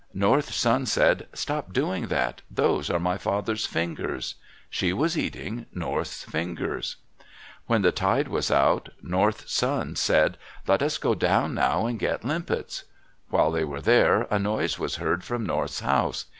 North's son said, "Stop doing that. Those are my father's fingers." She was eating North's fingers. When the tide was out, North's son said, "Let us go down now and get limpets." While they were there, a noise was heard from North's house.